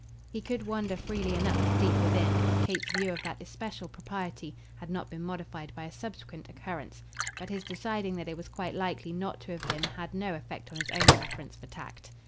He could wonder freely enough, deep within, if Kate's view of that especial propriety had not been modified by a subsequent occurrence; but his deciding that it was quite likely not to have been had no effect on his own preference for tact.